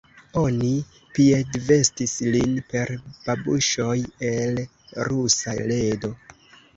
Oni piedvestis lin per babuŝoj el Rusa ledo.